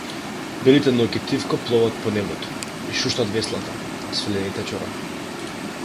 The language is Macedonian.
Белите ноќи тивко пловат по небото, и шуштат веслата, свилените чорапи.